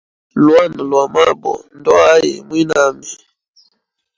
Lwana lwa mabo ndwa ayi a mwinami?